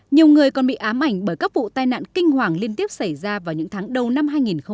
nhiều người còn bị ám ảnh bởi các vụ tai nạn kinh hoàng liên tiếp xảy ra vào những tháng đầu năm hai nghìn một mươi chín